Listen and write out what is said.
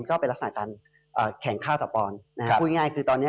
ก็เป็นลักษณะการแข่งค่าต่อปอนด์นะฮะพูดง่ายคือตอนเนี้ย